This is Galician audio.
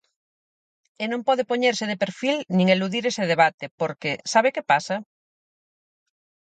E non pode poñerse de perfil nin eludir ese debate porque, ¿sabe que pasa?